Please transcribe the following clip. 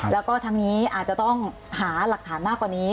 แล้วก็ทั้งนี้อาจจะต้องหาหลักฐานมากกว่านี้